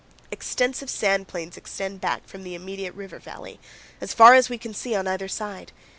Extensive sand plains extend back from the immediate river valley as far as we can see on either side.